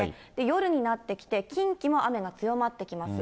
夜になってきて、近畿も雨が強まってきます。